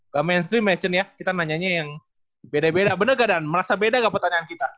gak mainstream ya cen ya kita nanyanya yang beda beda bener gak dan merasa beda gak pertanyaan kita